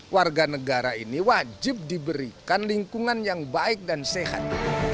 warga negara ini wajib diberikan lingkungan yang baik dan sehat